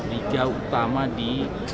liga utama di